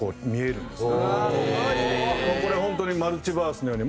これ本当にマルチバースのように。